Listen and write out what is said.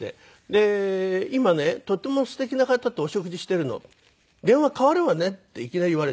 で「今ねとても素敵な方とお食事しているの」「電話代わるわね」っていきなり言われて。